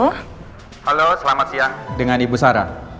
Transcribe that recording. halo selamat siang dengan ibu sarah